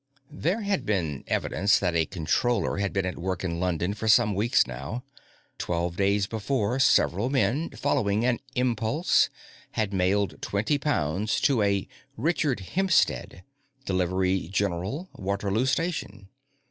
There had been evidence that a Controller had been at work in London for some weeks now. Twelve days before, several men, following an impulse, had mailed twenty pounds to a "Richard Hempstead," General Delivery, Waterloo Station.